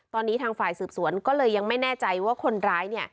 ตอนนี้ทางฝ่ายสืบสวนก็เลยยังไม่แน่ใจว่าคนร้ายเนี่ย